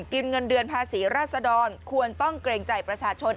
เงินเดือนภาษีราศดรควรต้องเกรงใจประชาชน